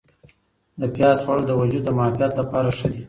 د پیاز خوړل د وجود د معافیت لپاره ښه دي.